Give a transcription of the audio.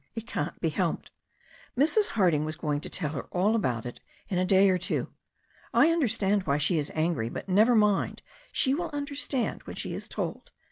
It can't be helped. Mrs. Harding was going to tell her all about it in a day or two. I under stand why she is angry. But never mind, she will under stand when she is told.